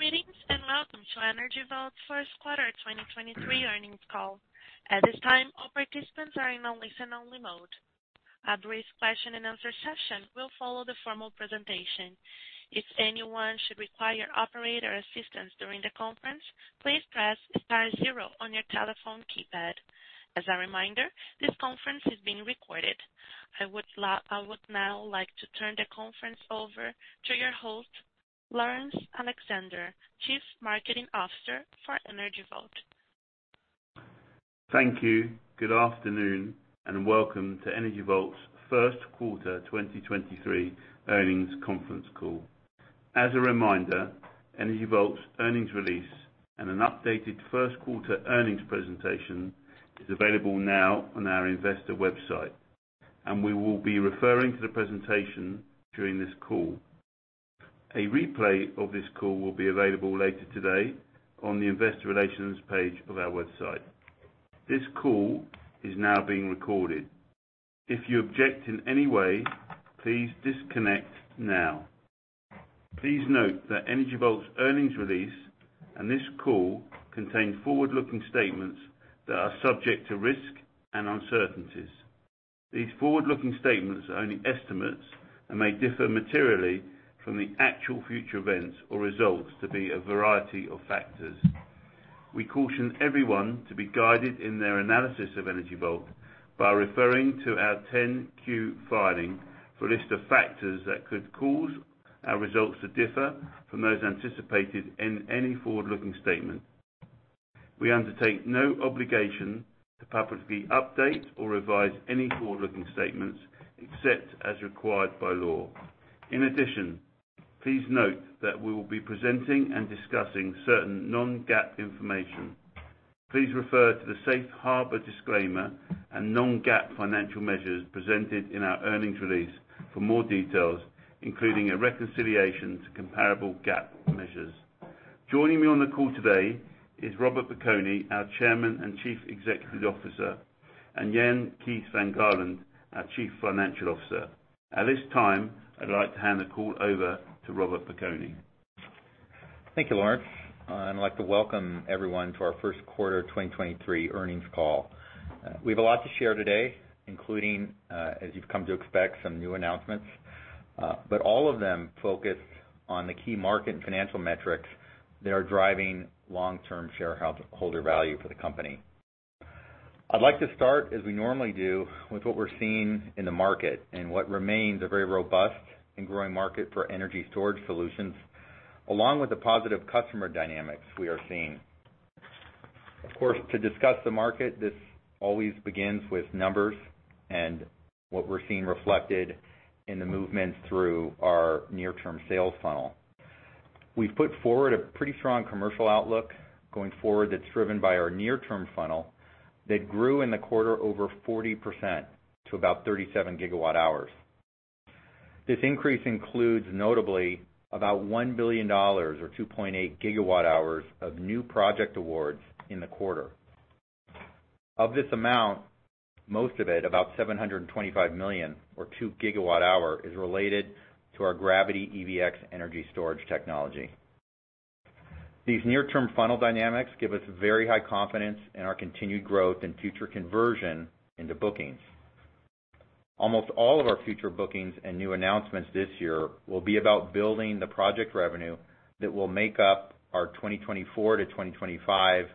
Greetings, and welcome to Energy Vault's First Quarter 2023 Earnings Call. At this time, all participants are in a listen-only mode. A brief question and answer session will follow the formal presentation. If anyone should require operator assistance during the conference, please press star zero on your telephone keypad. As a reminder, this conference is being recorded. I would now like to turn the conference over to your host, Laurence Alexander, Chief Marketing Officer for Energy Vault. Thank you. Good afternoon, and welcome to Energy Vault's First Quarter 2023 Earnings Conference Call. As a reminder, Energy Vault's earnings release and an updated first quarter earnings presentation is available now on our investor website, and we will be referring to the presentation during this call. A replay of this call will be available later today on the investor relations page of our website. This call is now being recorded. If you object in any way, please disconnect now. Please note that Energy Vault's earnings release and this call contain forward-looking statements that are subject to risk and uncertainties. These forward-looking statements are only estimates and may differ materially from the actual future events or results to be a variety of factors. We caution everyone to be guided in their analysis of Energy Vault by referring to our 10-Q filing for a list of factors that could cause our results to differ from those anticipated in any forward-looking statement. We undertake no obligation to publicly update or revise any forward-looking statements except as required by law. In addition, please note that we will be presenting and discussing certain non-GAAP information. Please refer to the safe harbor disclaimer and non-GAAP financial measures presented in our earnings release for more details, including a reconciliation to comparable GAAP measures. Joining me on the call today is Robert Piconi, our Chairman and Chief Executive Officer, and Jan Kees van Gaalen, our Chief Financial Officer. At this time, I'd like to hand the call over to Robert Piconi. Thank you, Laurence. I'd like to welcome everyone to our first quarter 2023 earnings call. We have a lot to share today, including, as you've come to expect, some new announcements, but all of them focused on the key market and financial metrics that are driving long-term shareholder value for the company. I'd like to start, as we normally do, with what we're seeing in the market and what remains a very robust and growing market for energy storage solutions, along with the positive customer dynamics we are seeing. Of course, to discuss the market, this always begins with numbers and what we're seeing reflected in the movements through our near-term sales funnel. We've put forward a pretty strong commercial outlook going forward that's driven by our near-term funnel that grew in the quarter over 40% to about 37 GWh. This increase includes notably about $1 billion or 2.8 GWh of new project awards in the quarter. Of this amount, most of it, about $725 million or 2 GWh, is related to our gravity EVx™ energy storage technology. These near-term funnel dynamics give us very high confidence in our continued growth and future conversion into bookings. Almost all of our future bookings and new announcements this year will be about building the project revenue that will make up our 2024-2025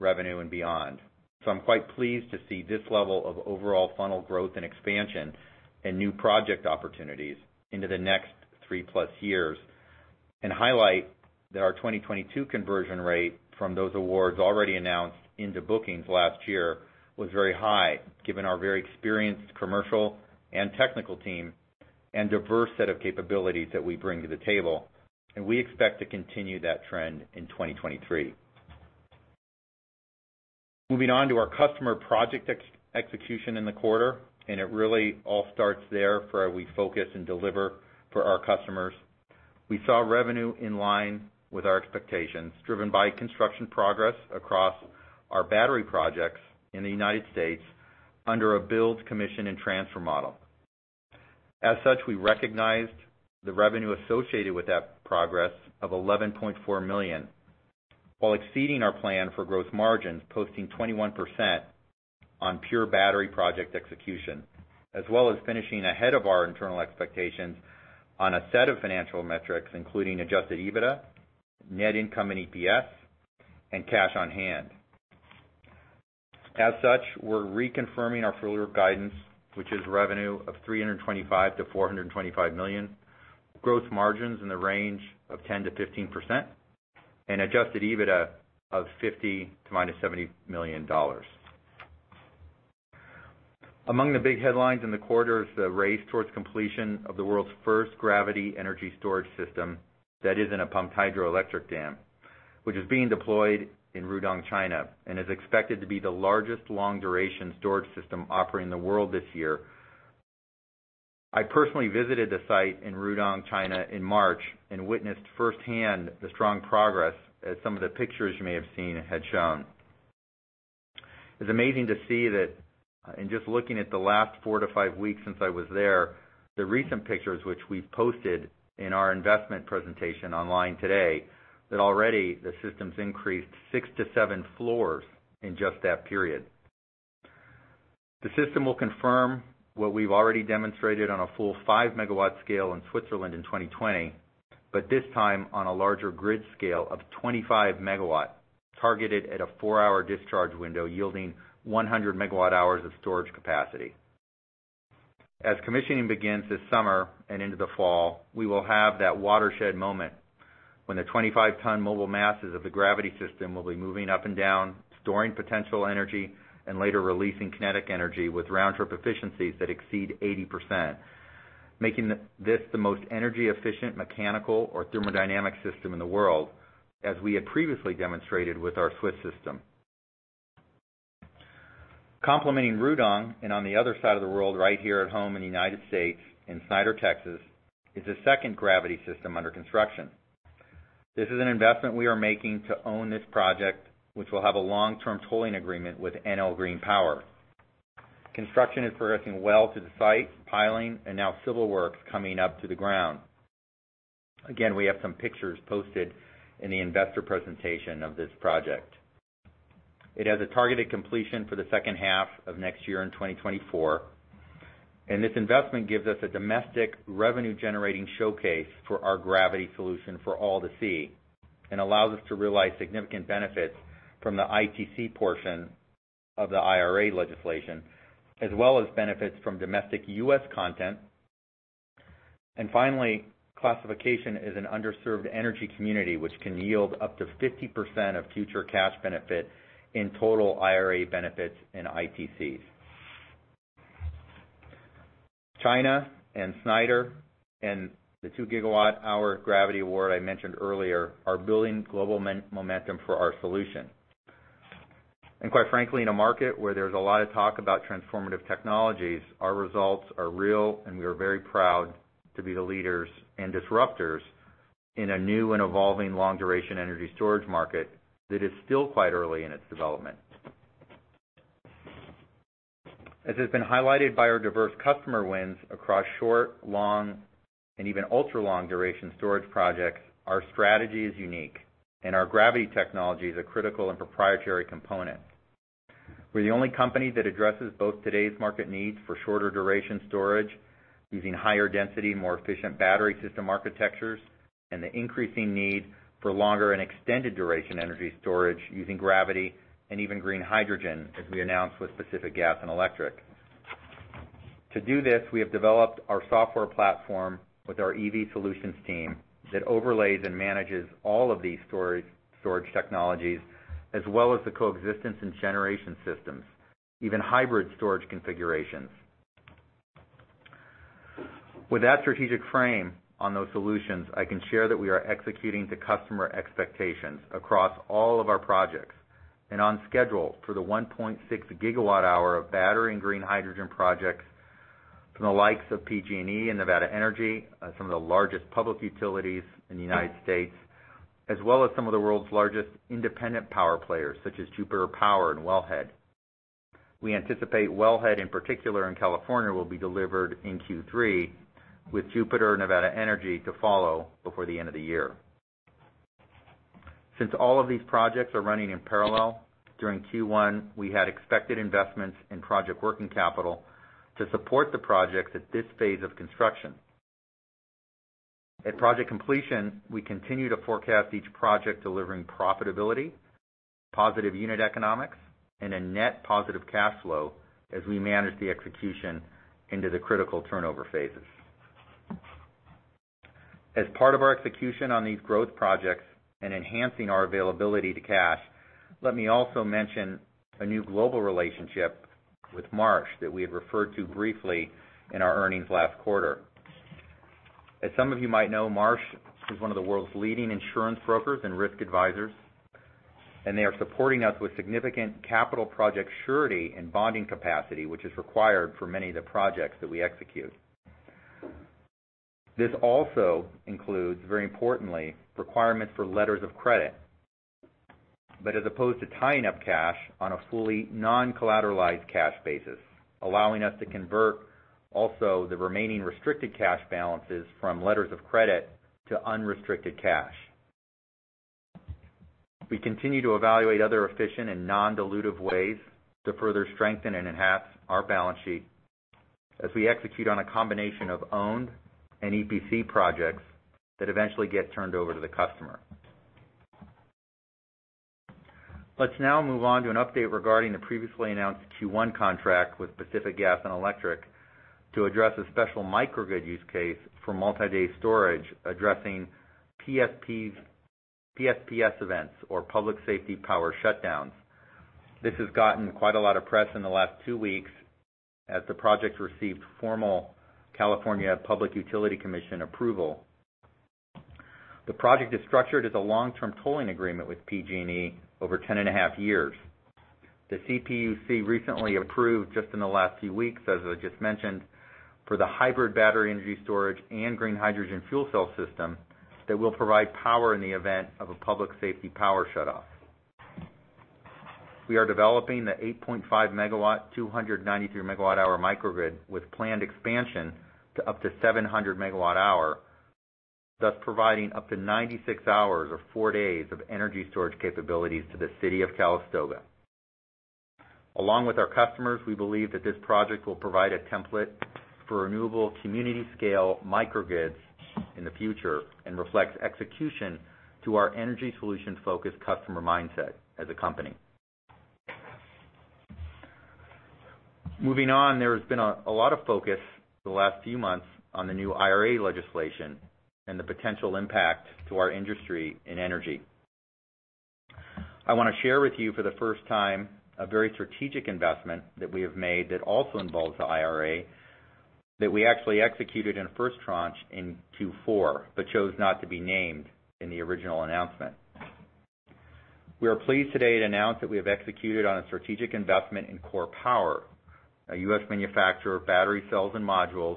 revenue and beyond. I'm quite pleased to see this level of overall funnel growth and expansion and new project opportunities into the next 3+ years and highlight that our 2022 conversion rate from those awards already announced into bookings last year was very high, given our very experienced commercial and technical team and diverse set of capabilities that we bring to the table. We expect to continue that trend in 2023. Moving on to our customer project execution in the quarter, and it really all starts there for how we focus and deliver for our customers. We saw revenue in line with our expectations, driven by construction progress across our battery projects in the United States under a build, commission, and transfer model. We recognized the revenue associated with that progress of $11.4 million, while exceeding our plan for growth margins, posting 21% on pure battery project execution, as well as finishing ahead of our internal expectations on a set of financial metrics, including adjusted EBITDA, net income and EPS, and cash on hand. We're reconfirming our full-year guidance, which is revenue of $325 million-$425 million, growth margins in the range of 10%-15%, and adjusted EBITDA of $50 million to -$70 million. Among the big headlines in the quarter is the race towards completion of the world's first gravity energy storage system that isn't a pumped hydroelectric dam, which is being deployed in Rudong, China, and is expected to be the largest long-duration storage system operating in the world this year. I personally visited the site in Rudong, China in March and witnessed firsthand the strong progress as some of the pictures you may have seen had shown. It's amazing to see that in just looking at the last four to five weeks since I was there, the recent pictures, which we've posted in our investment presentation online today, that already the system's increased six to seven floors in just that period. The system will confirm what we've already demonstrated on a full 5 MW scale in Switzerland in 2020, but this time on a larger grid scale of 25 MW targeted at a 4-hour discharge window yielding 100 MW hours of storage capacity. As commissioning begins this summer and into the fall, we will have that watershed moment when the 25-ton mobile masses of the gravity system will be moving up and down, storing potential energy and later releasing kinetic energy with round-trip efficiencies that exceed 80%, making this the most energy efficient mechanical or thermodynamic system in the world, as we had previously demonstrated with our Swiss system. Complementing Rudong and on the other side of the world right here at home in the United States in Snyder, Texas, is a second gravity system under construction. This is an investment we are making to own this project, which will have a long-term tolling agreement with Enel Green Power. Construction is progressing well to the site, piling and now civil works coming up to the ground. We have some pictures posted in the investor presentation of this project. It has a targeted completion for the second half of next year in 2024, and this investment gives us a domestic revenue-generating showcase for our gravity solution for all to see and allows us to realize significant benefits from the ITC portion of the IRA legislation, as well as benefits from domestic U.S. content. Finally, classification as an underserved energy community, which can yield up to 50% of future cash benefit in total IRA benefits and ITCs. China and Snyder and the 2 GWh gravity award I mentioned earlier are building global momentum for our solution. Quite frankly, in a market where there's a lot of talk about transformative technologies, our results are real, and we are very proud to be the leaders and disruptors in a new and evolving long-duration energy storage market that is still quite early in its development. As has been highlighted by our diverse customer wins across short, long, and even ultra-long duration storage projects, our strategy is unique, and our gravity technology is a critical and proprietary component. We're the only company that addresses both today's market needs for shorter duration storage using higher density, more efficient battery system architectures, and the increasing need for longer and extended duration energy storage using gravity and even green hydrogen, as we announced with Pacific Gas & Electric. To do this, we have developed our software platform with our EV solutions team that overlays and manages all of these storage technologies, as well as the coexistence and generation systems, even hybrid storage configurations. With that strategic frame on those solutions, I can share that we are executing to customer expectations across all of our projects and on schedule for the 1.6 GWh of battery and green hydrogen projects from the likes of PG&E and NV Energy, some of the largest public utilities in the United States, as well as some of the world's largest independent power players, such as Jupiter Power and Wellhead. We anticipate Wellhead, in particular in California, will be delivered in Q3, with Jupiter NV Energy to follow before the end of the year. Since all of these projects are running in parallel, during Q1, we had expected investments in project working capital to support the projects at this phase of construction. At project completion, we continue to forecast each project delivering profitability, positive unit economics, and a net positive cash flow as we manage the execution into the critical turnover phases. As part of our execution on these growth projects and enhancing our availability to cash, let me also mention a new global relationship with Marsh that we had referred to briefly in our earnings last quarter. As some of you might know, Marsh is one of the world's leading insurance brokers and risk advisors, and they are supporting us with significant capital project surety and bonding capacity, which is required for many of the projects that we execute. This also includes, very importantly, requirements for letters of credit, but as opposed to tying up cash on a fully non-collateralized cash basis, allowing us to convert also the remaining restricted cash balances from letters of credit to unrestricted cash. We continue to evaluate other efficient and non-dilutive ways to further strengthen and enhance our balance sheet as we execute on a combination of owned and EPC projects that eventually get turned over to the customer. Let's now move on to an update regarding the previously announced Q1 contract with Pacific Gas & Electric to address a special microgrid use case for multi-day storage addressing PSPS events or public safety power shutdowns. This has gotten quite a lot of press in the last two weeks as the project received formal California Public Utilities Commission approval. The project is structured as a long-term tolling agreement with PG&E over 10.5 years. The CPUC recently approved just in the last few weeks, as I just mentioned, for the hybrid battery energy storage and green hydrogen fuel cell system that will provide power in the event of a public safety power shutoff. We are developing the 8.5 MW, 293 MWh microgrid with planned expansion to up to 700 MWh, thus providing up to 96 hours or 4 days of energy storage capabilities to the city of Calistoga. Along with our customers, we believe that this project will provide a template for renewable community scale microgrids in the future and reflects execution to our energy solution-focused customer mindset as a company. Moving on, there has been a lot of focus the last few months on the new IRA legislation and the potential impact to our industry and energy. I wanna share with you for the first time a very strategic investment that we have made that also involves the IRA, that we actually executed in first tranche in 2004, but chose not to be named in the original announcement. We are pleased today to announce that we have executed on a strategic investment in KORE Power, a U.S. manufacturer of battery cells and modules,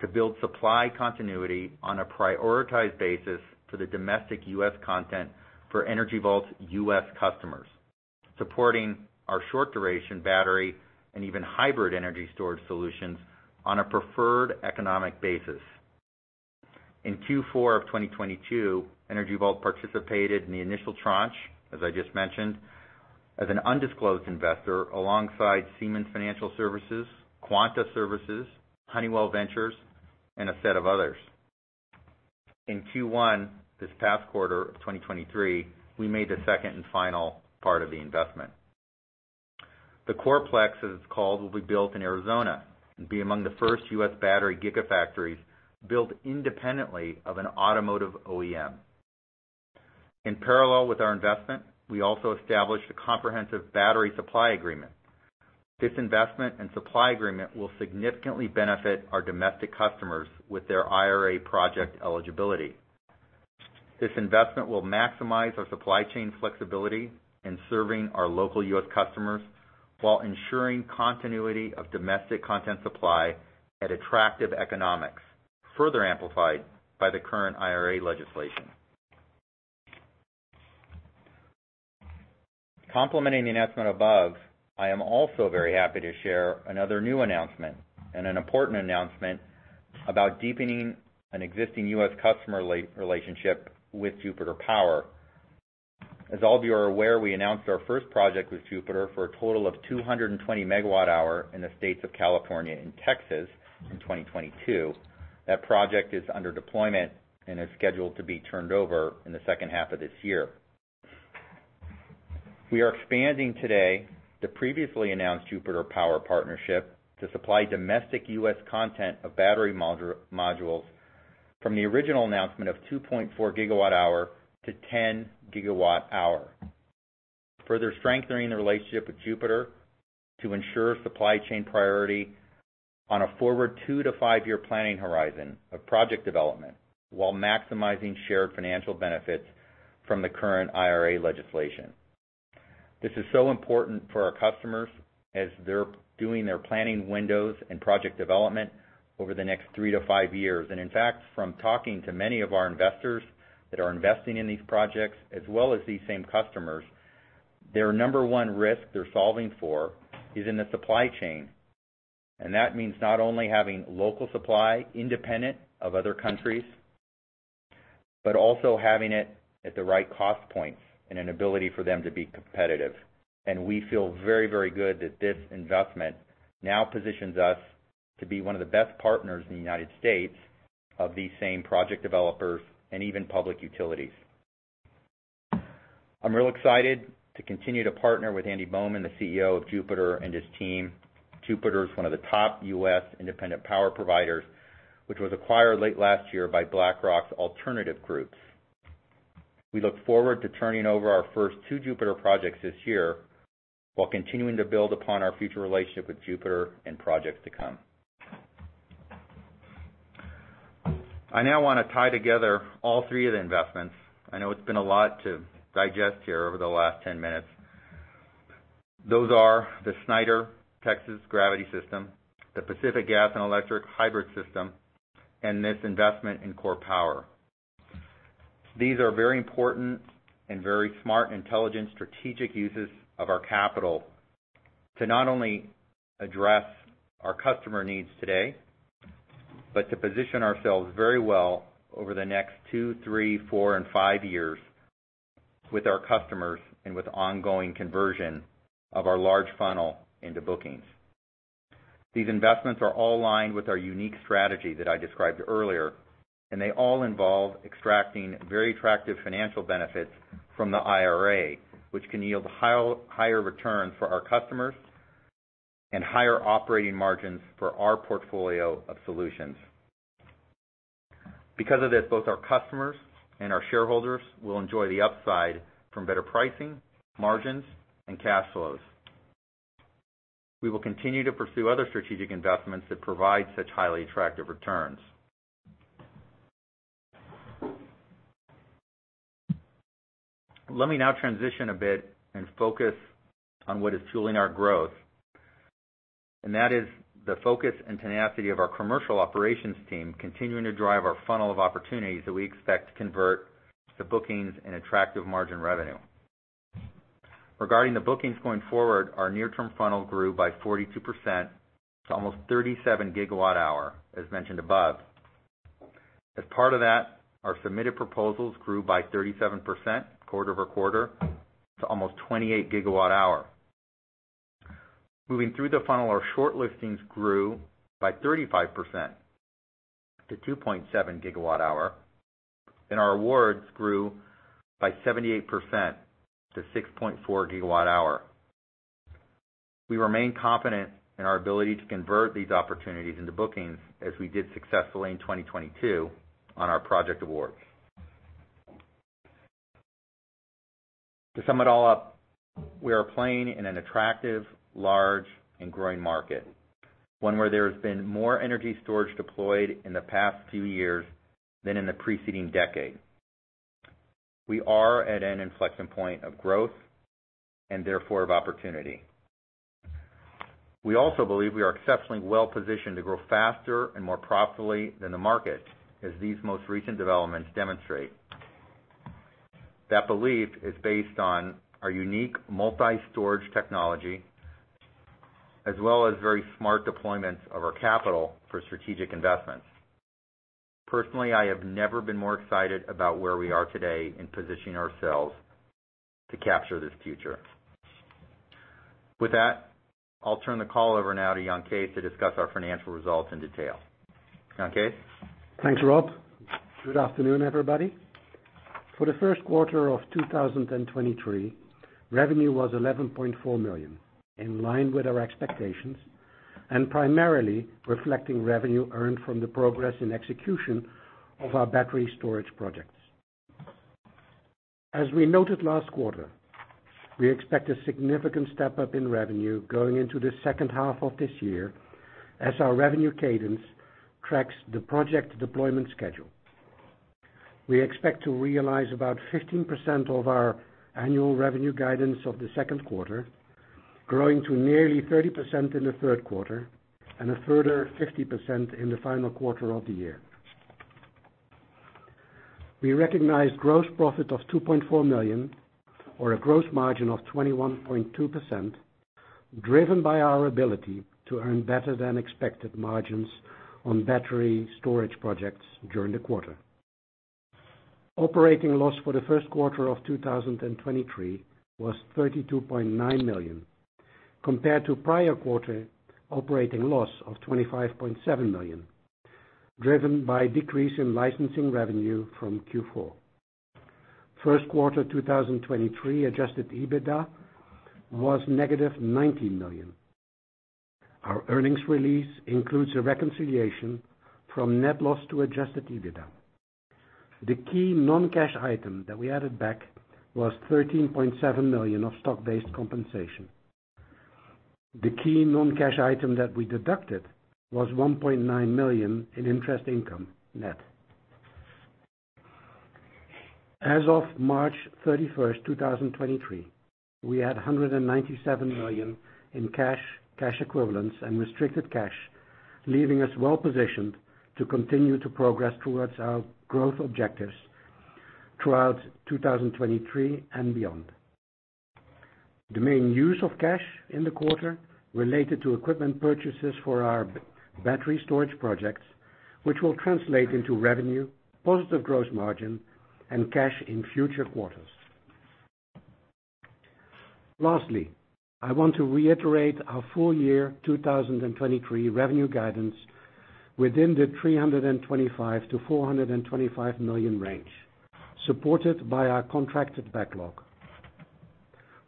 to build supply continuity on a prioritized basis for the domestic U.S. content for Energy Vault's U.S. customers, supporting our short duration battery and even hybrid energy storage solutions on a preferred economic basis. In Q4 of 2022, Energy Vault participated in the initial tranche, as I just mentioned, as an undisclosed investor alongside Siemens Financial Services, Quanta Services, Honeywell Ventures, and a set of others. In Q1, this past quarter of 2023, we made the second and final part of the investment. The KOREPlex, as it's called, will be built in Arizona and be among the first U.S. battery gigafactories built independently of an automotive OEM. In parallel with our investment, we also established a comprehensive battery supply agreement. This investment and supply agreement will significantly benefit our domestic customers with their IRA project eligibility. This investment will maximize our supply chain flexibility in serving our local U.S. customers while ensuring continuity of domestic content supply at attractive economics, further amplified by the current IRA legislation. Complementing the announcement above, I am also very happy to share another new announcement and an important announcement about deepening an existing U.S. customer re-relationship with Jupiter Power. As all of you are aware, we announced our first project with Jupiter for a total of 220 MWh in the states of California and Texas in 2022. That project is under deployment and is scheduled to be turned over in the second half of this year. We are expanding today the previously announced Jupiter Power partnership to supply domestic U.S. content of battery modules from the original announcement of 2.4 GWh to 10 GWh. Strengthening the relationship with Jupiter to ensure supply chain priority on a forward 2-to-5-year planning horizon of project development while maximizing shared financial benefits from the current IRA legislation. This is so important for our customers as they're doing their planning windows and project development over the next 3 to 5 years. In fact, from talking to many of our investors that are investing in these projects as well as these same customers, their number 1 risk they're solving for is in the supply chain. That means not only having local supply independent of other countries, but also having it at the right cost points and an ability for them to be competitive. We feel very, very good that this investment now positions us to be one of the best partners in the United States of these same project developers and even public utilities. I'm real excited to continue to partner with Andy Bowman, the CEO of Jupiter, and his team. Jupiter is one of the top U.S. independent power providers, which was acquired late last year by BlackRock Alternative Groups. We look forward to turning over our first two Jupiter projects this year while continuing to build upon our future relationship with Jupiter in projects to come. I now wanna tie together all three of the investments. I know it's been a lot to digest here over the last 10 minutes. Those are the Snyder, Texas gravity system, the Pacific Gas and Electric hybrid system, and this investment in KORE Power. These are very important and very smart, intelligent, strategic uses of our capital to not only address our customer needs today, but to position ourselves very well over the next two, three, four, and five years with our customers and with ongoing conversion of our large funnel into bookings. These investments are all aligned with our unique strategy that I described earlier, and they all involve extracting very attractive financial benefits from the IRA, which can yield higher returns for our customers and higher operating margins for our portfolio of solutions. Because of this, both our customers and our shareholders will enjoy the upside from better pricing, margins, and cash flows. We will continue to pursue other strategic investments that provide such highly attractive returns. Let me now transition a bit and focus on what is fueling our growth, and that is the focus and tenacity of our commercial operations team continuing to drive our funnel of opportunities that we expect to convert to bookings and attractive margin revenue. Regarding the bookings going forward, our near-term funnel grew by 42% to almost 37 GWh, as mentioned above. As part of that, our submitted proposals grew by 37% quarter-over-quarter to almost 28 GWh. Moving through the funnel, our short listings grew by 35% to 2.7 GWh, and our awards grew by 78% to 6.4 GWh. We remain confident in our ability to convert these opportunities into bookings as we did successfully in 2022 on our project awards. To sum it all up, we are playing in an attractive, large and growing market, one where there has been more energy storage deployed in the past few years than in the preceding decade. We are at an inflection point of growth and therefore of opportunity. We also believe we are exceptionally well positioned to grow faster and more profitably than the market as these most recent developments demonstrate. That belief is based on our unique multi-storage technology as well as very smart deployments of our capital for strategic investments. Personally, I have never been more excited about where we are today in positioning ourselves to capture this future. I'll turn the call over now to Jan Kees to discuss our financial results in detail. Jan Kees? Thanks, Rob. Good afternoon, everybody. For the first quarter of 2023, revenue was $11.4 million, in line with our expectations and primarily reflecting revenue earned from the progress and execution of our battery storage projects. As we noted last quarter, we expect a significant step-up in revenue going into the second half of this year as our revenue cadence tracks the project deployment schedule. We expect to realize about 15% of our annual revenue guidance of the second quarter, growing to nearly 30% in the third quarter and a further 50% in the final quarter of the year. We recognized gross profit of $2.4 million or a gross margin of 21.2%, driven by our ability to earn better than expected margins on battery storage projects during the quarter. Operating loss for the first quarter of 2023 was $32.9 million, compared to prior quarter operating loss of $25.7 million, driven by decrease in licensing revenue from Q4. First quarter 2023 adjusted EBITDA was negative $90 million. Our earnings release includes a reconciliation from net loss to adjusted EBITDA. The key non-cash item that we added back was $13.7 million of stock-based compensation. The key non-cash item that we deducted was $1.9 million in interest income net. As of March 31, 2023, we had $197 million in cash equivalents, and restricted cash, leaving us well-positioned to continue to progress towards our growth objectives throughout 2023 and beyond. The main use of cash in the quarter related to equipment purchases for our battery storage projects, which will translate into revenue, positive gross margin, and cash in future quarters. I want to reiterate our full year 2023 revenue guidance within the $325 million-$425 million range, supported by our contracted backlog.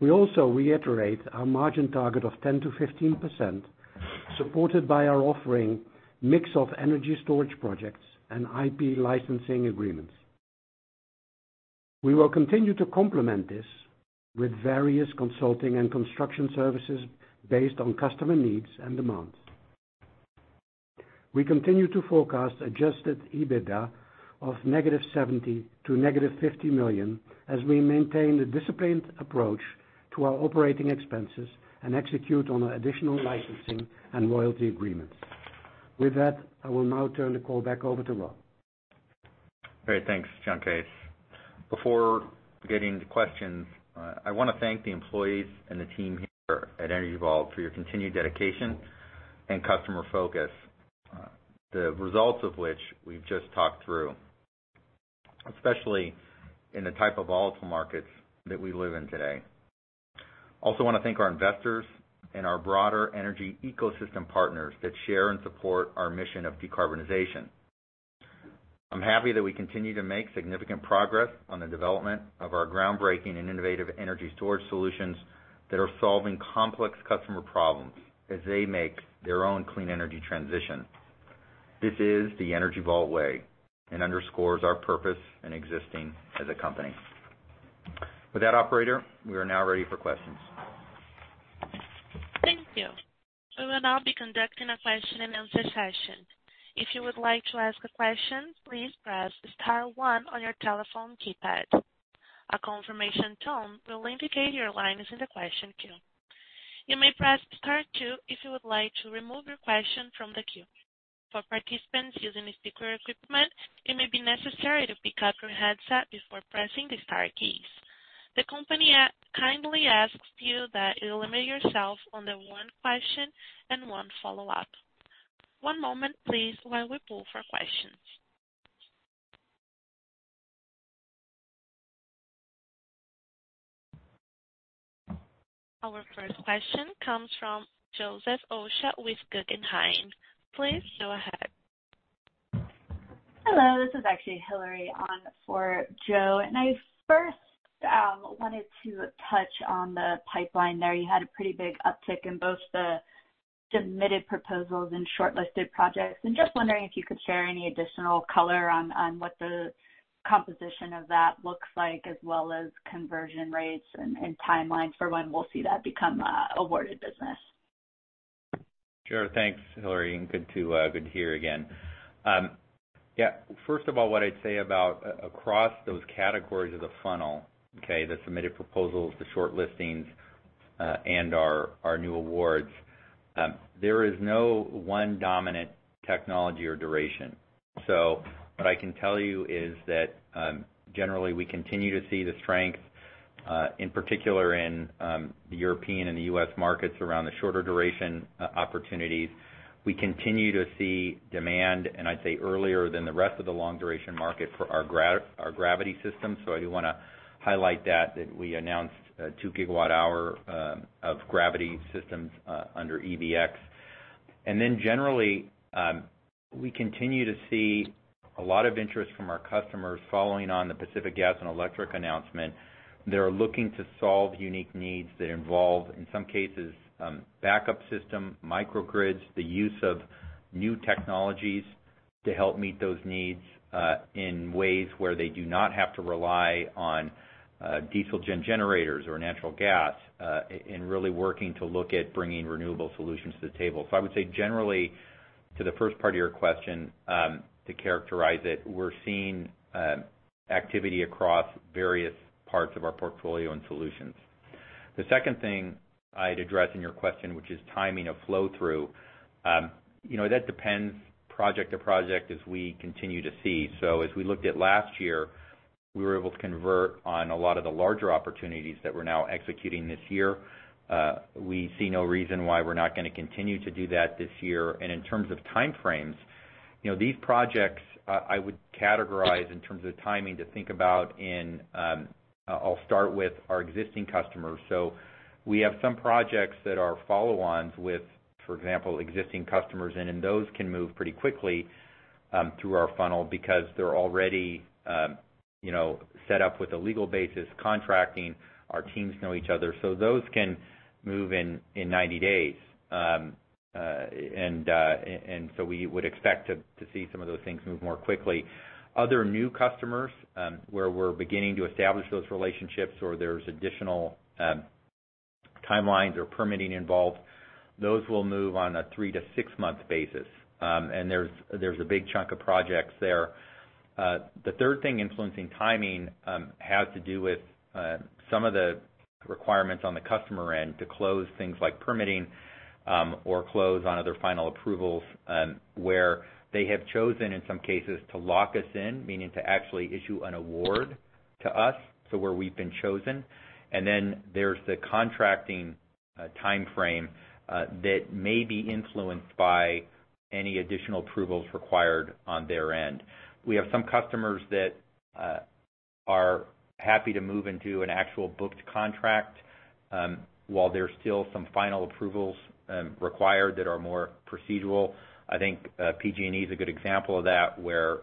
We also reiterate our margin target of 10%-15%, supported by our offering mix of energy storage projects and IP licensing agreements. We will continue to complement this with various consulting and construction services based on customer needs and demands. We continue to forecast adjusted EBITDA of negative $70 million to negative $50 million as we maintain a disciplined approach to our operating expenses and execute on additional licensing and royalty agreements. I will now turn the call back over to Rob. Great. Thanks, Jan Kees. Before getting to questions, I wanna thank the employees and the team here at Energy Vault for your continued dedication and customer focus, the results of which we've just talked through, especially in the type of volatile markets that we live in today. I wanna thank our investors and our broader energy ecosystem partners that share and support our mission of decarbonization. I'm happy that we continue to make significant progress on the development of our groundbreaking and innovative energy storage solutions that are solving complex customer problems as they make their own clean energy transition. This is the Energy Vault way and underscores our purpose in existing as a company. Operator, we are now ready for questions. Thank you. We will now be conducting a question-and-answer session. If you would like to ask a question, please press star 1 on your telephone keypad. A confirmation tone will indicate your line is in the question queue. You may press star 2 if you would like to remove your question from the queue. For participants using a speaker equipment, it may be necessary to pick up your headset before pressing the star keys. The company kindly asks you that you limit yourself on 1 question and 1 follow-up. One moment, please, while we pull for questions. Our first question comes from Joseph Osha with Guggenheim. Please go ahead. Hello, this is actually Hilary on for Joe. I first wanted to touch on the pipeline there. You had a pretty big uptick in both the submitted proposals and shortlisted projects. I'm just wondering if you could share any additional color on what the composition of that looks like as well as conversion rates and timelines for when we'll see that become awarded business? Sure. Thanks, Hilary, good to hear you again. First of all, what I'd say about across those categories of the funnel, okay, the submitted proposals, the short listings, our new awards, there is no one dominant technology or duration. What I can tell you is that, generally, we continue to see the strength, in particular in the European and the U.S. markets around the shorter duration opportunities. We continue to see demand, and I'd say earlier than the rest of the long-duration market for our gravity system. I do wanna highlight that we announced a 2 GWh of gravity systems under EVx™. Generally, we continue to see a lot of interest from our customers following on the Pacific Gas and Electric announcement. They're looking to solve unique needs that involve, in some cases, backup system, microgrids, the use of new technologies to help meet those needs, in ways where they do not have to rely on diesel generators or natural gas, and really working to look at bringing renewable solutions to the table. I would say generally, to the first part of your question, to characterize it, we're seeing activity across various parts of our portfolio and solutions. The second thing I'd address in your question, which is timing of flow through. You know, that depends project to project as we continue to see. As we looked at last year, we were able to convert on a lot of the larger opportunities that we're now executing this year. We see no reason why we're not gonna continue to do that this year. In terms of time frames, you know, these projects, I would categorize in terms of timing to think about, I'll start with our existing customers. We have some projects that are follow-ons with, for example, existing customers, and then those can move pretty quickly through our funnel because they're already, you know, set up with a legal basis, contracting, our teams know each other. Those can move in 90 days. We would expect to see some of those things move more quickly. Other new customers, where we're beginning to establish those relationships or there's additional timelines or permitting involved, those will move on a three to six-month basis. There's a big chunk of projects there. The third thing influencing timing has to do with some of the requirements on the customer end to close things like permitting or close on other final approvals, where they have chosen, in some cases, to lock us in, meaning to actually issue an award to us, so where we've been chosen. There's the contracting time frame that may be influenced by any additional approvals required on their end. We have some customers that are happy to move into an actual booked contract while there's still some final approvals required that are more procedural. I think PG&E is a good example of that, where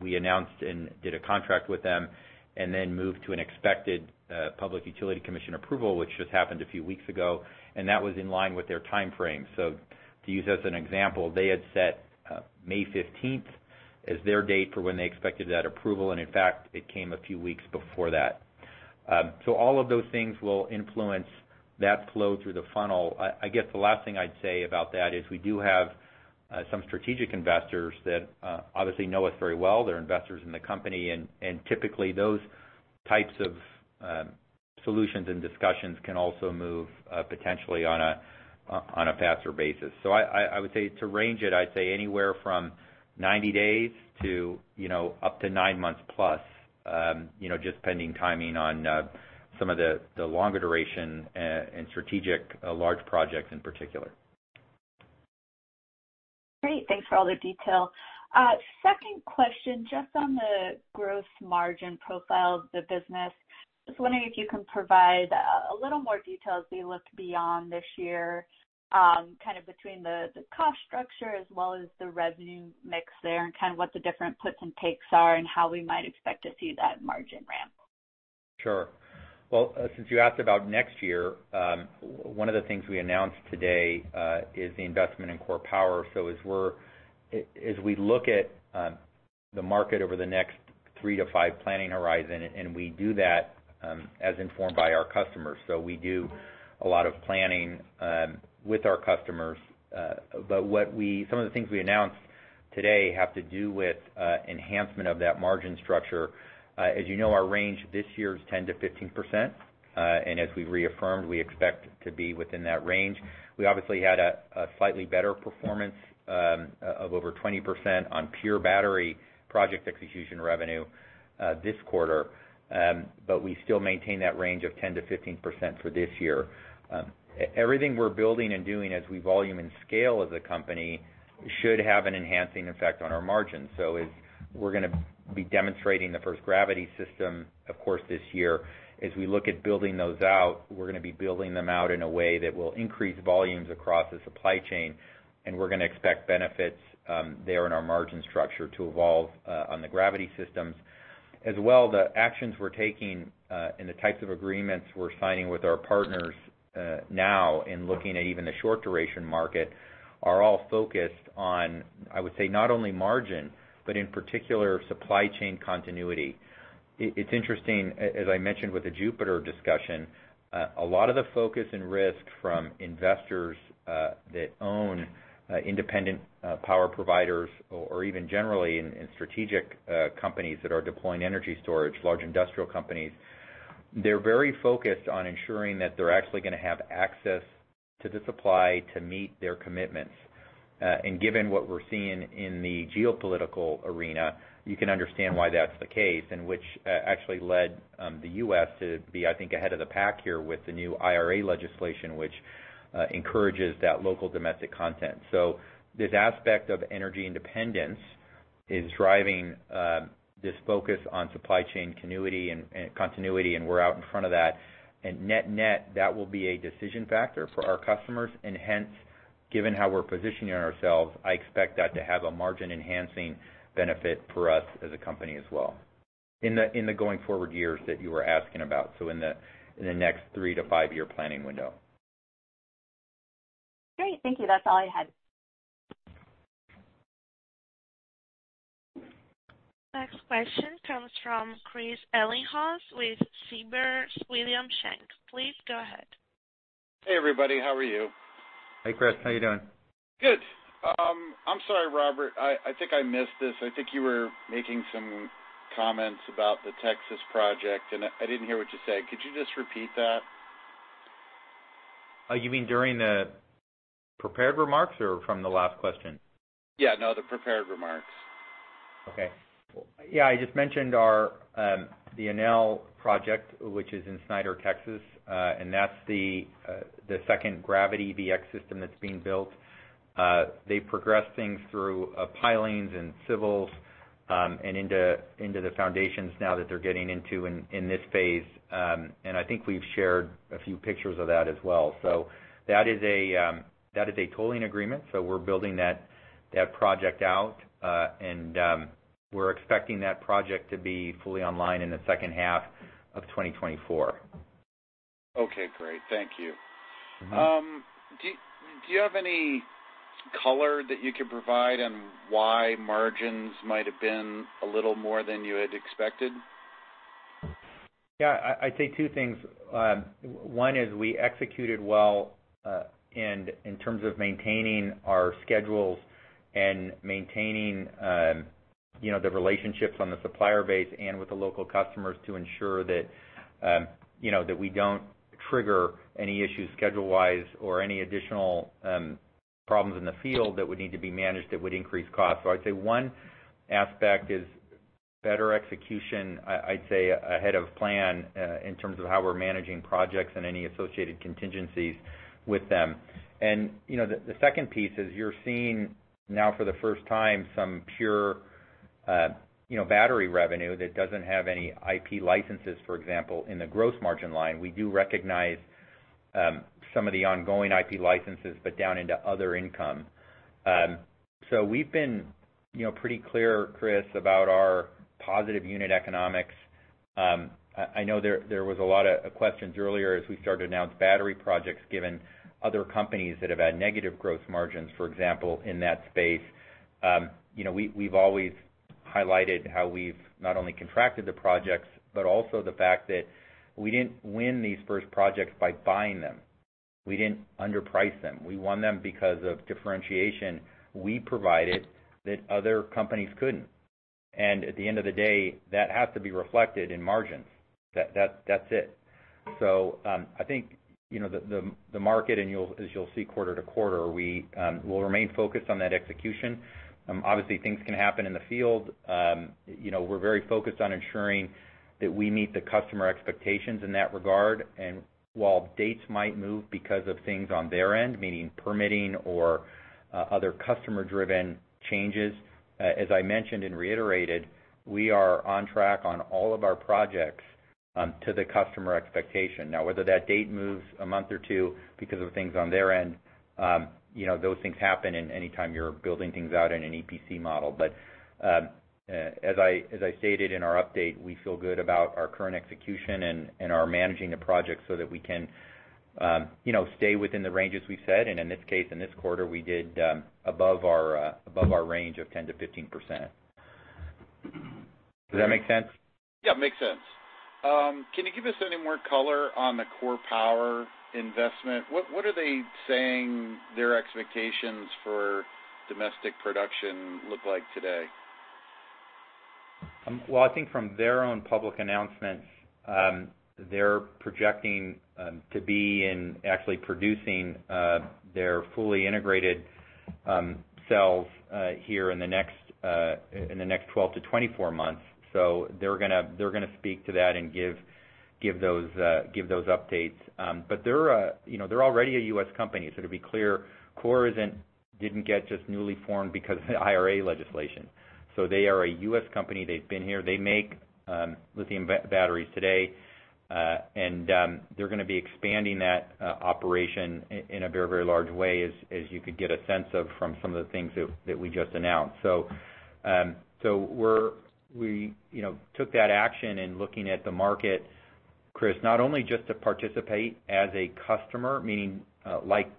we announced and did a contract with them and then moved to an expected Public Utility Commission approval, which just happened a few weeks ago, and that was in line with their time frame. To use as an example, they had set May 15th as their date for when they expected that approval, and in fact, it came a few weeks before that. All of those things will influence that flow through the funnel. I guess the last thing I'd say about that is we do have some strategic investors that obviously know us very well. They're investors in the company, and typically those types of solutions and discussions can also move potentially on a faster basis. I would say to range it, I'd say anywhere from 90 days to, you know, up to 9 months plus, you know, just depending timing on some of the longer duration, and strategic, large projects in particular. Great. Thanks for all the detail. Second question, just on the growth margin profile of the business. Just wondering if you can provide a little more details as we look beyond this year, kind of between the cost structure as well as the revenue mix there and kind of what the different puts and takes are and how we might expect to see that margin ramp. Sure. Well, since you asked about next year, one of the things we announced today is the investment in KORE Power. As we look at the market over the next 3 to 5 planning horizon, and we do that as informed by our customers. We do a lot of planning with our customers. Some of the things we announced today have to do with enhancement of that margin structure. As you know, our range this year is 10%-15%. As we reaffirmed, we expect to be within that range. We obviously had a slightly better performance over 20% on pure battery project execution revenue this quarter. We still maintain that range of 10%-15% for this year. Everything we're building and doing as we volume and scale as a company should have an enhancing effect on our margins. As we're going to be demonstrating the first gravity system, of course, this year, as we look at building those out, we're going to be building them out in a way that will increase volumes across the supply chain, and we're going to expect benefits there in our margin structure to evolve on the gravity systems. As well, the actions we're taking and the types of agreements we're signing with our partners now in looking at even the short-duration market are all focused on, I would say, not only margin but in particular supply chain continuity. It's interesting as I mentioned with the Jupiter discussion, a lot of the focus and risk from investors that own independent power providers or even generally in strategic companies that are deploying energy storage, large industrial companies, they're very focused on ensuring that they're actually gonna have access to the supply to meet their commitments. Given what we're seeing in the geopolitical arena, you can understand why that's the case, and which actually led the U.S. to be, I think, ahead of the pack here with the new IRA legislation, which encourages that local domestic content. This aspect of energy independence is driving this focus on supply chain continuity and continuity, and we're out in front of that. Net-net, that will be a decision factor for our customers. Hence, given how we're positioning ourselves, I expect that to have a margin-enhancing benefit for us as a company as well in the going forward years that you were asking about, so in the next three-to-five-year planning window. Great. Thank you. That's all I had. Next question comes from Chris Ellinghaus with Siebert Williams Shank. Please go ahead. Hey, everybody. How are you? Hey, Chris. How you doing? Good. I'm sorry, Robert, I think I missed this. I think you were making some comments about the Texas project, and I didn't hear what you said. Could you just repeat that? You mean during the prepared remarks or from the last question? Yeah. No, the prepared remarks. Okay. Yeah, I just mentioned our the Enel project, which is in Snyder, Texas. That's the second gravity EVx™ system that's being built. They progressed things through pilings and civils and into the foundations now that they're getting into in this phase. I think we've shared a few pictures of that as well. That is a tolling agreement, so we're building that project out. We're expecting that project to be fully online in the second half of 2024. Okay. Great. Thank you. Mm-hmm. Do you have any color that you could provide on why margins might have been a little more than you had expected? Yeah. I'd say two things. One is we executed well, and in terms of maintaining our schedules and maintaining, you know, the relationships on the supplier base and with the local customers to ensure that, you know, that we don't trigger any issues schedule-wise or any additional problems in the field that would need to be managed that would increase costs. I'd say one aspect is better execution, I'd say, ahead of plan, in terms of how we're managing projects and any associated contingencies with them. You know, the second piece is you're seeing now for the first time some pure, you know, battery revenue that doesn't have any IP licenses, for example, in the gross margin line. We do recognize, some of the ongoing IP licenses but down into other income. We've been, you know, pretty clear, Chris, about our positive unit economics. I know there was a lot of questions earlier as we started to announce battery projects given other companies that have had negative growth margins, for example, in that space. You know, we've always highlighted how we've not only contracted the projects, but also the fact that we didn't win these first projects by buying them. We didn't underprice them. We won them because of differentiation we provided that other companies couldn't. At the end of the day, that has to be reflected in margins. That's it. I think, you know, the market, and as you'll see quarter to quarter, we'll remain focused on that execution. Obviously, things can happen in the field. You know, we're very focused on ensuring that we meet the customer expectations in that regard. While dates might move because of things on their end, meaning permitting or other customer-driven changes, as I mentioned and reiterated, we are on track on all of our projects to the customer expectation. Whether that date moves a month or two because of things on their end, you know, those things happen in any time you're building things out in an EPC model. As I stated in our update, we feel good about our current execution and our managing the project so that we can, you know, stay within the ranges we set, and in this case, in this quarter, we did above our above our range of 10%-15%. Does that make sense? It makes sense. Can you give us any more color on the KORE Power investment? What are they saying their expectations for domestic production look like today? Well, I think from their own public announcements, they're projecting to be and actually producing their fully integrated cells here in the next 12-24 months. They're gonna speak to that and give those updates. You know, they're already a U.S. company. To be clear, KORE Power didn't get just newly formed because of the IRA legislation. They are a U.S. company. They've been here. They make lithium batteries today. And they're gonna be expanding that operation in a very, very large way, as you could get a sense of from some of the things that we just announced. We, you know, took that action in looking at the market, Chris, not only just to participate as a customer, meaning, like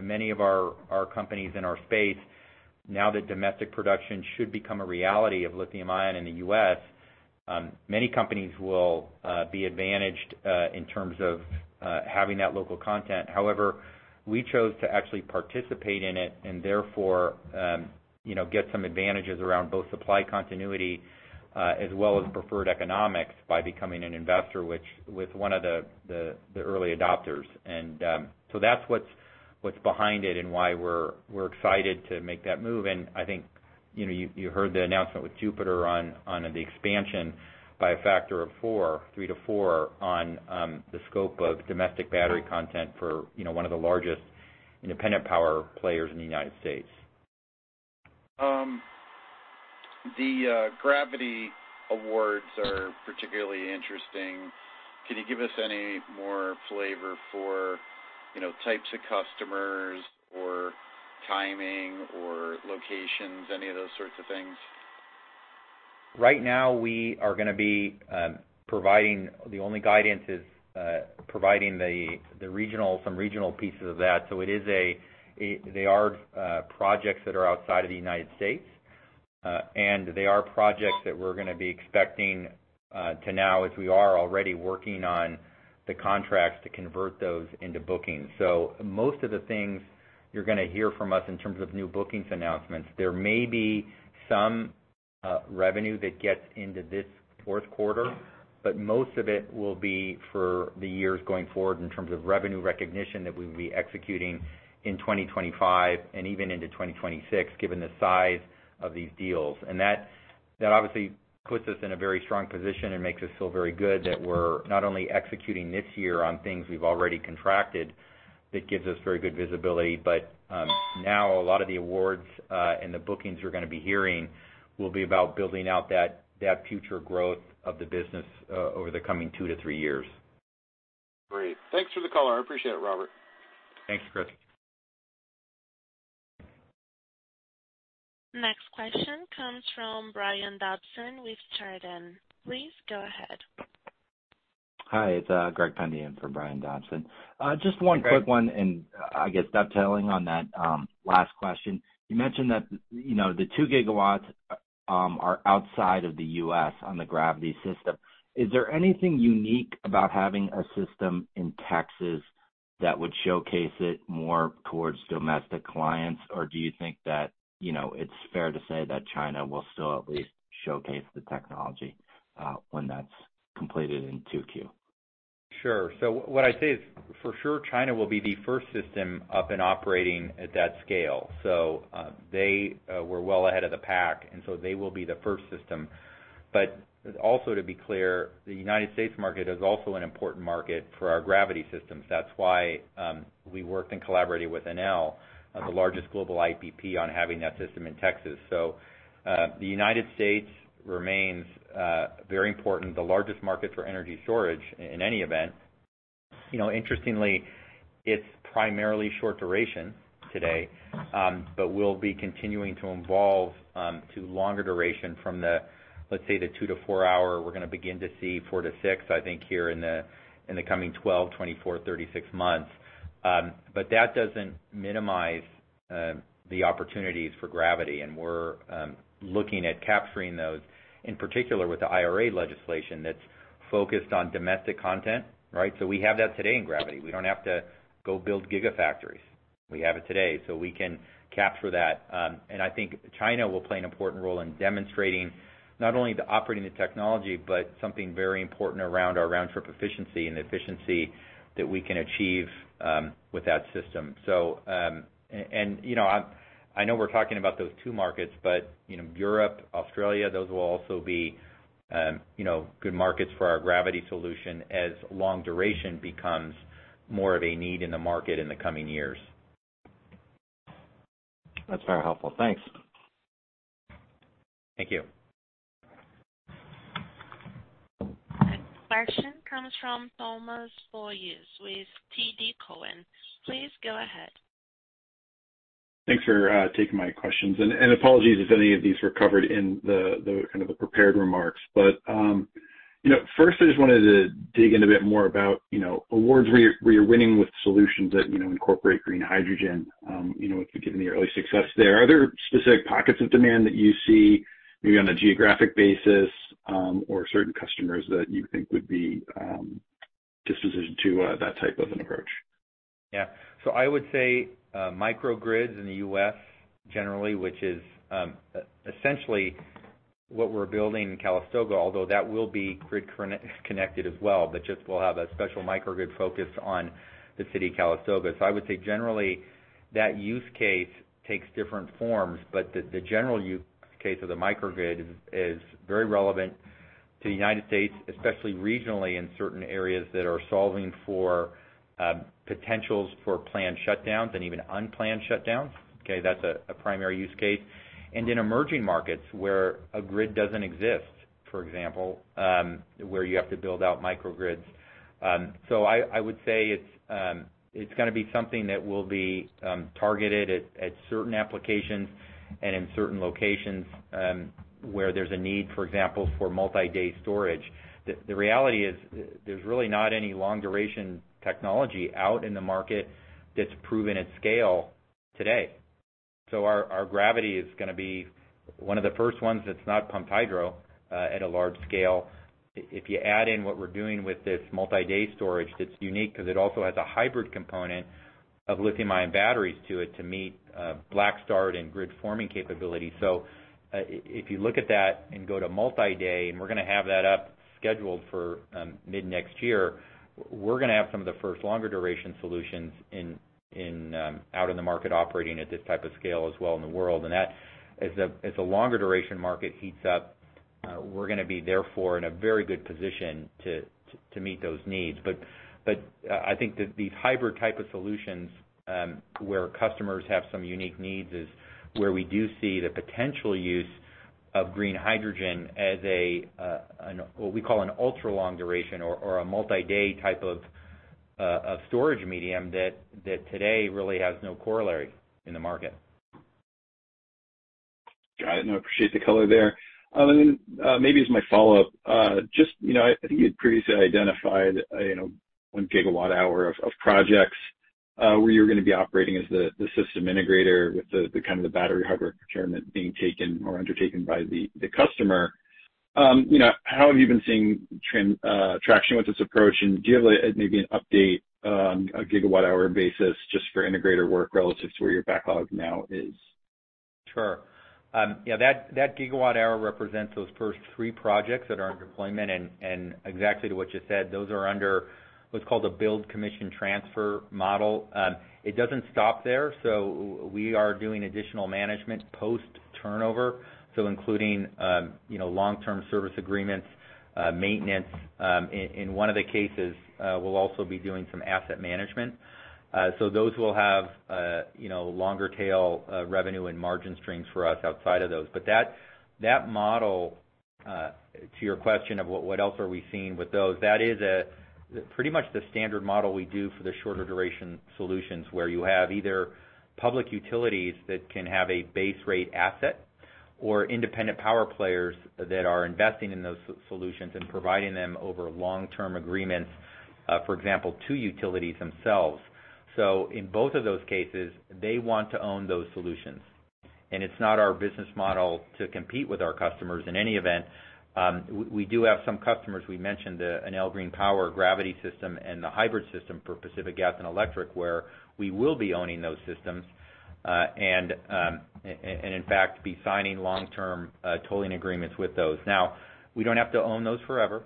many of our companies in our space, now that domestic production should become a reality of lithium ion in the U.S., many companies will be advantaged in terms of having that local content. However, we chose to actually participate in it and therefore, you know, get some advantages around both supply continuity, as well as preferred economics by becoming an investor, which with one of the early adopters. That's what's behind it and why we're excited to make that move. I think, you know, you heard the announcement with Jupiter on the expansion by a factor of 4, 3-4 on, the scope of domestic battery content for, you know, one of the largest independent power players in the United States. The gravity awards are particularly interesting. Can you give us any more flavor for, you know, types of customers or timing or locations, any of those sorts of things? Right now we are gonna be providing the only guidance is providing the regional some regional pieces of that. They are projects that are outside of the United States, and they are projects that we're gonna be expecting to now, as we are already working on the contracts to convert those into bookings. Most of the things you're gonna hear from us in terms of new bookings announcements, there may be some revenue that gets into this fourth quarter, but most of it will be for the years going forward in terms of revenue recognition that we'll be executing in 2025 and even into 2026, given the size of these deals. That obviously puts us in a very strong position and makes us feel very good that we're not only executing this year on things we've already contracted, that gives us very good visibility. Now a lot of the awards, and the bookings you're gonna be hearing will be about building out that future growth of the business, over the coming 2-3 years. Great. Thanks for the color. I appreciate it, Robert. Thanks, Chris. Next question comes from Brian Dodson with Chardan. Please go ahead. Hi, it's Greg Pendian for Brian Dodson. Just one quick one, and I guess dovetailing on that last question. You mentioned that, you know, the 2 GWs are outside of the U.S. on the gravity system. Is there anything unique about having a system in Texas that would showcase it more towards domestic clients? Do you think that, you know, it's fair to say that China will still at least showcase the technology when that's completed in 2Q? Sure. What I'd say is, for sure, China will be the first system up and operating at that scale. They were well ahead of the pack, and they will be the first system. Also, to be clear, the United States market is also an important market for our gravity systems. That's why we worked in collaborating with Enel, the largest global IPP, on having that system in Texas. The United States remains very important, the largest market for energy storage in any event. You know, interestingly, it's primarily short duration today, but we'll be continuing to evolve to longer duration from the, let's say, the 2 to 4-hour. We're gonna begin to see 4 to 6, I think, here in the coming 12, 24, 36 months. That doesn't minimize the opportunities for Gravity. We're looking at capturing those, in particular with the IRA legislation that's focused on domestic content, right? We have that today in Gravity. We don't have to go build gigafactories. We have it today, so we can capture that. I think China will play an important role in demonstrating not only the operating the technology, but something very important around our round-trip efficiency and efficiency that we can achieve with that system. You know, I know we're talking about those two markets, but you know, Europe, Australia, those will also be, you know, good markets for our gravity solution as long duration becomes more of a need in the market in the coming years. That's very helpful. Thanks. Thank you. Next question comes from Thomas Boyes with TD Cowen. Please go ahead. Thanks for taking my questions and apologies if any of these were covered in the kind of the prepared remarks. You know, first, I just wanted to dig in a bit more about, you know, awards where you're, where you're winning with solutions that, you know, incorporate green hydrogen, you know, if you've given the early success there. Are there specific pockets of demand that you see maybe on a geographic basis, or certain customers that you think would be disposition to that type of an approach? I would say microgrids in the U.S. generally, which is essentially what we're building in Calistoga, although that will be grid connected as well, but just we'll have a special microgrid focus on the city of Calistoga. I would say generally that use case takes different forms, but the general use case of the microgrid is very relevant to the United States, especially regionally in certain areas that are solving for potentials for planned shutdowns and even unplanned shutdowns. That's a primary use case. In emerging markets where a grid doesn't exist, for example, where you have to build out microgrids. I would say it's gonna be something that will be targeted at certain applications and in certain locations where there's a need, for example, for multi-day storage. The reality is there's really not any long-duration technology out in the market that's proven at scale today. Our gravity is gonna be one of the first ones that's not pump hydro at a large scale. If you add in what we're doing with this multi-day storage, that's unique 'cause it also has a hybrid component of lithium-ion batteries to it to meet black start and grid forming capability. If you look at that and go to multi-day, and we're gonna have that up scheduled for mid-next year, we're gonna have some of the first longer duration solutions in, out in the market operating at this type of scale as well in the world. That as a, as a longer duration market heats up, we're gonna be therefore in a very good position to meet those needs. I think that these hybrid type of solutions, where customers have some unique needs is where we do see the potential use of green hydrogen as what we call an ultra-long duration or a multi-day type of a storage medium that today really has no corollary in the market. Got it. No, I appreciate the color there. Maybe as my follow-up, just, you know, I think you'd previously identified, you know, 1 GWh of projects where you're gonna be operating as the system integrator with the kind of the battery hardware procurement being taken or undertaken by the customer. You know, how have you been seeing traction with this approach? And do you have a, maybe an update, a GWh basis just for integrator work relative to where your backlog now is? Sure. Yeah, that GWh represents those first 3 projects that are in deployment. Exactly to what you said, those are under what's called a build commission transfer model. It doesn't stop there. So we are doing additional management post-turnover, so including, you know, long-term service agreements, maintenance. In one of the cases, we'll also be doing some asset management. So those will have, you know, longer tail, revenue and margin streams for us outside of those. That model, to your question of what else are we seeing with those? That is pretty much the standard model we do for the shorter duration solutions, where you have either public utilities that can have a base rate asset or independent power players that are investing in those solutions and providing them over long-term agreements, for example, to utilities themselves. In both of those cases, they want to own those solutions. It's not our business model to compete with our customers in any event. We do have some customers, we mentioned an Enel Green Power gravity system and the hybrid system for Pacific Gas and Electric, where we will be owning those systems, and in fact, be signing long-term tolling agreements with those. Now we don't have to own those forever.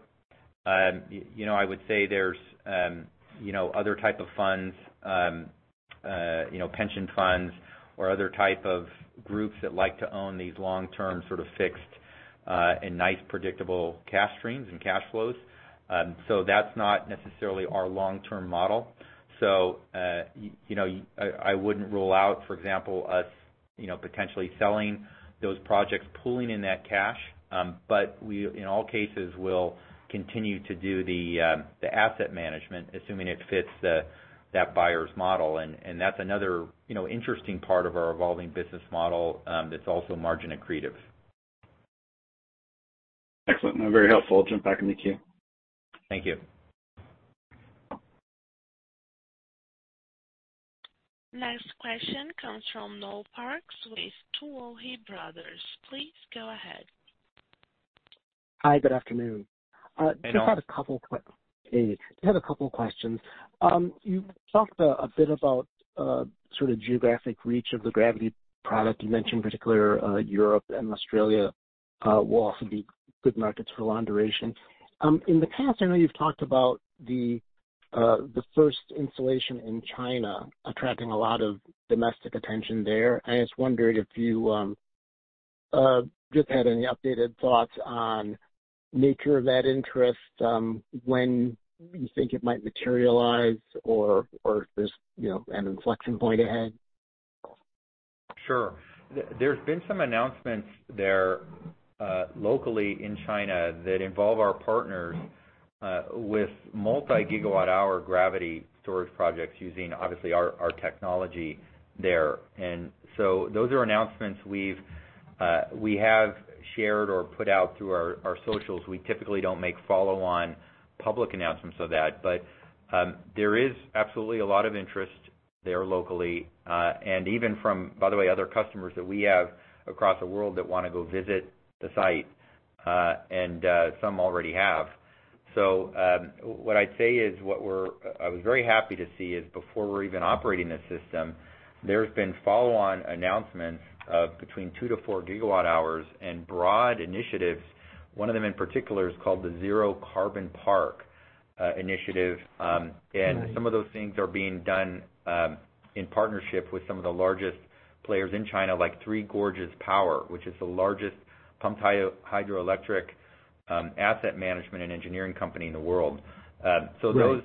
You know, I would say there's, you know, other type of funds, you know, pension funds or other type of groups that like to own these long-term sort of fixed, and nice predictable cash streams and cash flows. That's not necessarily our long-term model. You know, I wouldn't rule out, for example, us, you know, potentially selling those projects, pooling in that cash. But we, in all cases, will continue to do the asset management, assuming it fits that buyer's model. That's another, you know, interesting part of our evolving business model, that's also margin accretive. Excellent. No, very helpful. Jump back in the queue. Thank you. Next question comes from Noel Parks with Tuohy Brothers. Please go ahead. Hi. Good afternoon. Hey, Noel. Just had a couple of questions. You talked a bit about sort of geographic reach of the gravity product. You mentioned particular Europe and Australia will also be good markets for long duration. In the past, I know you've talked about the first installation in China attracting a lot of domestic attention there. I was wondering if you just had any updated thoughts on nature of that interest, when you think it might materialize or if there's, you know, an inflection point ahead? Sure. There's been some announcements there, locally in China that involve our partners with multi-GWh gravity storage projects using obviously our technology there. Those are announcements we've, we have shared or put out through our socials. We typically don't make follow-on public announcements of that. There is absolutely a lot of interest there locally, and even from, by the way, other customers that we have across the world that wanna go visit the site, and some already have. What I'd say is I was very happy to see is before we're even operating the system, there's been follow-on announcements of between 2-4 GWh and broad initiatives. One of them in particular is called the Zero Carbon Park Initiative. Some of those things are being done in partnership with some of the largest players in China, like Three Gorges Power, which is the largest pumped hydroelectric asset management and engineering company in the world. Right.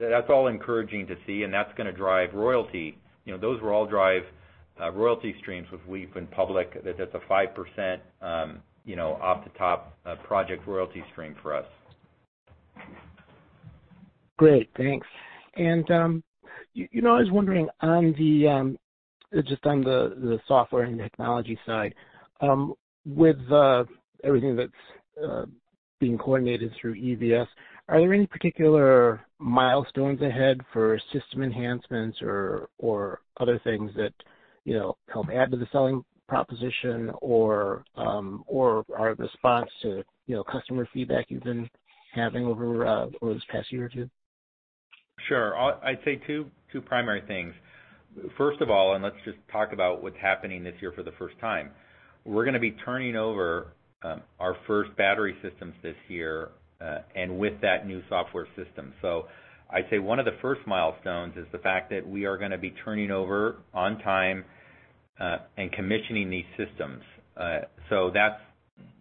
That's all encouraging to see, and that's gonna drive royalty. You know, those will all drive royalty streams, which we've been public. That's a 5%, you know, off the top project royalty stream for us. Great. Thanks. You know, I was wondering on the just on the software and technology side, with everything that's being coordinated through EVx™, are there any particular milestones ahead for system enhancements or other things that, you know, help add to the selling proposition or are the spots to, you know, customer feedback you've been having over this past year or two? Sure. I'd say two primary things. First of all, let's just talk about what's happening this year for the first time. We're gonna be turning over our first battery systems this year and with that new software system. I'd say one of the first milestones is the fact that we are gonna be turning over on time and commissioning these systems.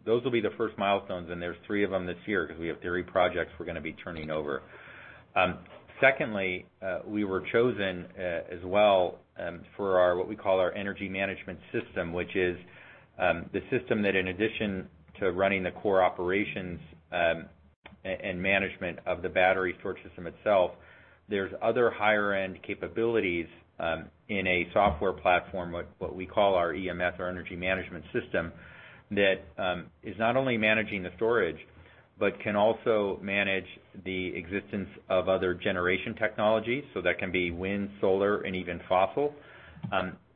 Those will be the first milestones, there's three of them this year 'cause we have three projects we're gonna be turning over. Secondly, we were chosen as well for our, what we call our Energy Management System, which is the system that in addition to running the core operations and management of the battery storage system itself, there's other higher-end capabilities in a software platform, what we call our EMS or Energy Management System, that is not only managing the storage, but can also manage the existence of other generation technologies. That can be wind, solar, and even fossil,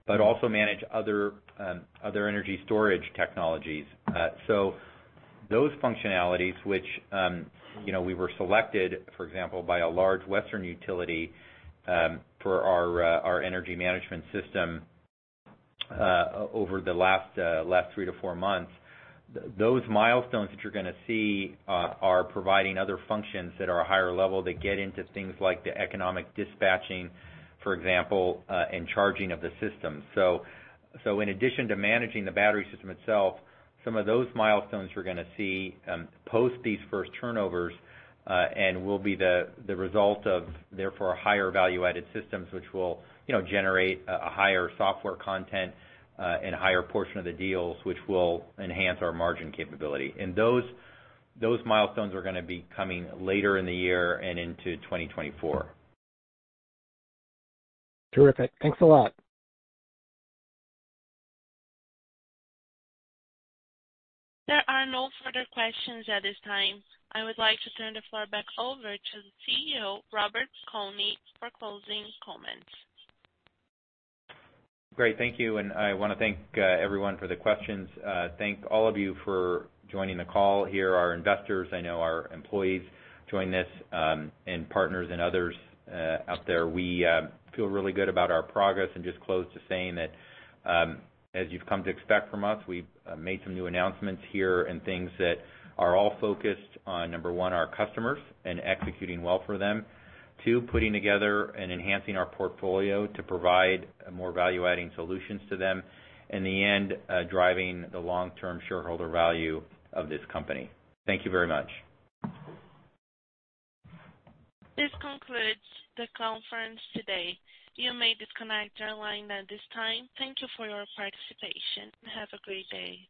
but also manage other energy storage technologies. Those functionalities, which, you know, we were selected, for example, by a large Western utility, for our Energy Management System over the last 3-4 months. Those milestones that you're gonna see are providing other functions that are higher level that get into things like the economic dispatching, for example, and charging of the system. In addition to managing the battery system itself, some of those milestones you're gonna see post these first turnovers and will be the result of, therefore, higher value-added systems which will, you know, generate a higher software content and higher portion of the deals, which will enhance our margin capability. Those milestones are gonna be coming later in the year and into 2024. Terrific. Thanks a lot. There are no further questions at this time. I would like to turn the floor back over to the CEO, Robert Piconi, for closing comments. Great. Thank you. I wanna thank everyone for the questions. Thank all of you for joining the call here, our investors. I know our employees join this, and partners and others out there. We feel really good about our progress. Just close to saying that, as you've come to expect from us, we've made some new announcements here and things that are all focused on, number 1, our customers and executing well for them. 2, putting together and enhancing our portfolio to provide more value-adding solutions to them. In the end, driving the long-term shareholder value of this company. Thank you very much. This concludes the conference today. You may disconnect your line at this time. Thank you for your participation, and have a great day.